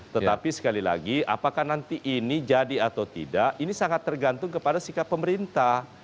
tetapi sekali lagi apakah nanti ini jadi atau tidak ini sangat tergantung kepada sikap pemerintah